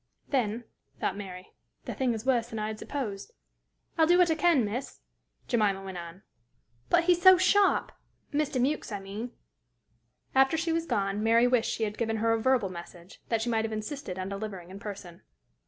"Then," thought Mary, "the thing is worse than I had supposed." "I'll do what I can, miss," Jemima went on. "But he's so sharp! Mr. Mewks, I mean." After she was gone, Mary wished she had given her a verbal message; that she might have insisted on delivering in person.